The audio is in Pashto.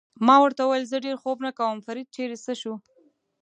ما ورته وویل: زه ډېر خوب نه کوم، فرید چېرې څه شو؟